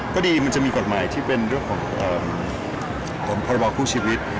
ก็ดีมันจะมีกฎหมายที่เป็นเรื่องของพรบคู่ชีวิต